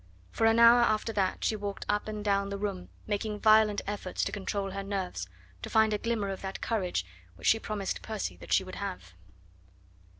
For an hour after that she walked up and down the room making violent efforts to control her nerves, to find a glimmer of that courage which she promised Percy that she would have.